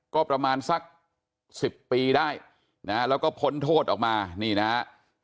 ก็ประมาณสัก๑๐ปีได้นะฮะแล้วก็พ้นโทษออกมานี่นะฮะ